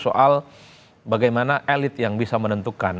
soal bagaimana elit yang bisa menentukan